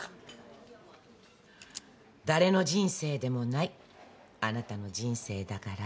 誰の人生でもないあなたの人生だから。